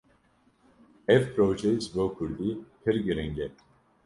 Ev proje ji bo Kurdî pir giring e.